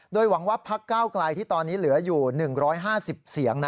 โดยหวังว่าพักเก้าไกลที่ตอนนี้เหลืออยู่๑๕๐เสียง